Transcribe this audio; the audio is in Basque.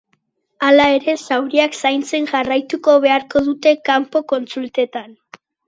Hala ere, zauriak zaintzen jarraituko beharko dute kanpo kontsultetan.